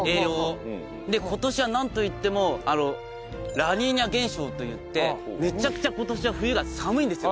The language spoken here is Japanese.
で今年はなんといってもラニーニャ現象といってめちゃくちゃ今年は冬が寒いんですよ。